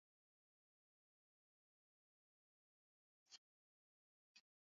Migori Kumezwa kwa kabila la Wasuba na Wajaluo kulitokana na kuoana kwani tokea ujio